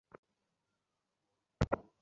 তুমি কি নিশ্চিত যে ওইটাই সে?